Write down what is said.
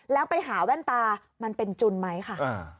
แล้วไปหาแว่นตามันเป็นจุนไหมค่ะ